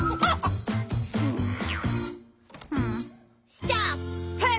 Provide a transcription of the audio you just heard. ストップ！